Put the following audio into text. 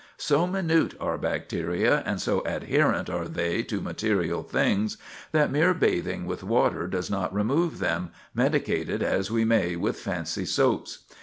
So minute are bacteria, and so adherent are they to material things, that mere bathing with water does not remove them, medicate it as we may with fancy soaps.